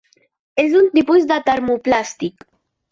És un tipus de termoplàstic.